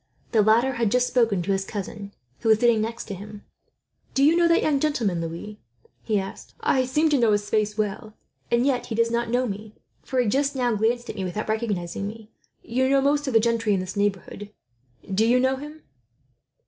The latter had just spoken to his cousin, who was sitting next to him. "Do you know that young gentleman, Louis?" he asked. "I seem to know his face well; and yet he does not know me, for he just now glanced at me, without recognizing me. You know most of the gentry in this neighbourhood. Do you know him?"